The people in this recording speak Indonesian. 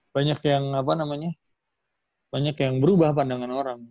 banyak yang berubah pandangan orang